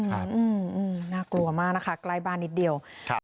อืมน่ากลัวมากนะคะใกล้บ้านนิดเดียวครับ